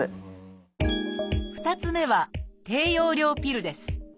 ２つ目は「低用量ピル」です。